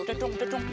udah dong udah dong